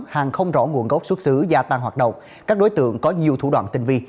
hàng không rõ nguồn gốc xuất xứ gia tăng hoạt động các đối tượng có nhiều thủ đoạn tinh vi